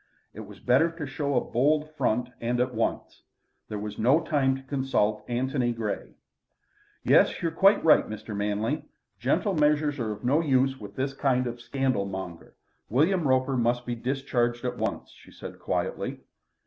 It was better to show a bold front and at once. There was no time to consult Antony Grey. "Yes. You're quite right, Mr. Manley. Gentle measures are of no use with this kind of scandal monger. William Roper must be discharged at once," she said quietly.